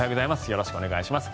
よろしくお願いします。